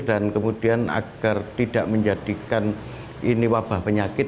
dan kemudian agar tidak menjadikan ini wabah penyakit